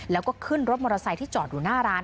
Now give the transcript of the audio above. แล้วก็ขึ้นรถมอเตอร์ไซค์ที่จอดอยู่หน้าร้าน